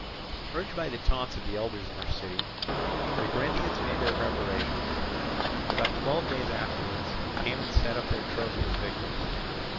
Urged by the taunts of the elders in their city, the Corinthians made their preparations, and about twelve days afterwards came and set up their trophy as victors.